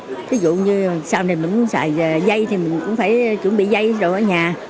để đề phòng ví dụ như sau này mình muốn xài dây thì mình cũng phải chuẩn bị dây rồi ở nhà